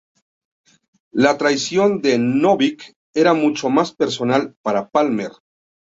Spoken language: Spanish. La traición de Novick era mucho más personal para Palmer.